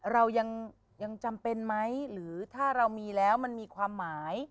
เรายังจำเป็นไหมหรือถ้าเรามีแล้วมันมีความหมาย